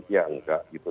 ya enggak gitu